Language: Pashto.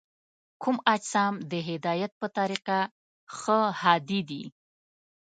کوم اجسام د هدایت په طریقه ښه هادي دي؟